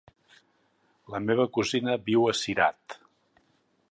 La meva cosina viu a Cirat.